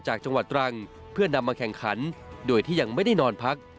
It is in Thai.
จากจังหวัดตรังเพื่อนำมาแข่งขันโดยที่ยังไม่ได้นอนพัก